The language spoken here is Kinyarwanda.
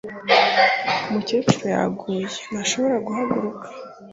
Umukecuru yaguye ntashobora guhaguruka